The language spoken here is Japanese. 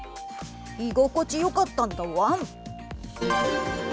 居心地よかったんだワン。